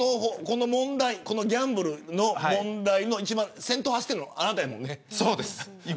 このギャンブルの問題の先頭を走っているのあなたやもんね。